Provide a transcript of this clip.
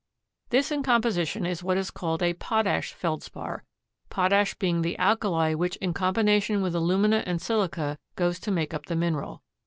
This in composition is what is called a potash Feldspar, potash being the alkali which in combination with alumina and silica goes to make up the mineral.